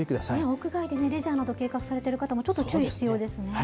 屋外でレジャーなど計画されている方もちょっと注意必要です